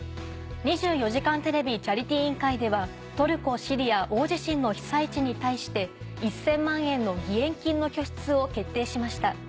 「２４時間テレビチャリティー委員会」ではトルコ・シリア大地震の被災地に対して１０００万円の義援金の拠出を決定しました。